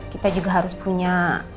kita juga harus punya